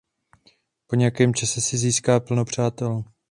Po nějakém čase si získá plno přátel.